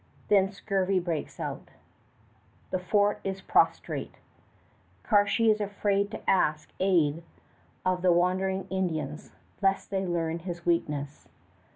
Then scurvy breaks out. The fort is prostrate. Cartier is afraid to ask aid of the wandering Indians lest they learn his weakness.